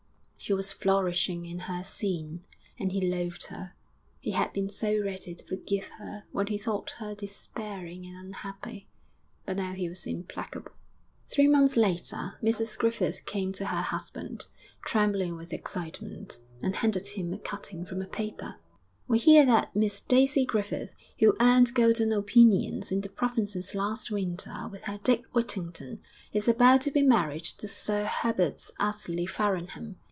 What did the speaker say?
She was flourishing in her sin, and he loathed her. He had been so ready to forgive her when he thought her despairing and unhappy; but now he was implacable. Three months later Mrs Griffith came to her husband, trembling with excitement, and handed him a cutting from a paper, '_We hear that Miss Daisy Griffith, who earned golden opinions in the provinces last winter with her Dick Whittington, is about to be married to Sir Herbert Ously Farrowham.